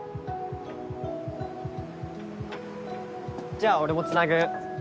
じゃあ俺もつなぐ。